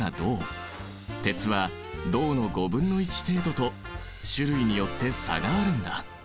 鉄は銅の５分の１程度と種類によって差があるんだ。